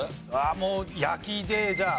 もう焼きでじゃあ。